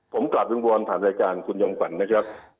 ผมกลับวิงวอนผ่านรายการคุณจอมขวัญนะครับ